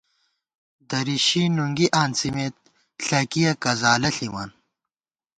درِشی نُنگی آنڅِمېت ، ݪَکِیَہ کزالہ ݪِمان